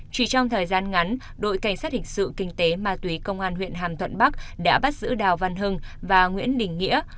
chỉ trong thời gian ngắn đội cảnh sát hình sự kinh tế ma túy công an huyện hàm thuận bắc đã bắt giữ đào văn hưng và nguyễn đình nghĩa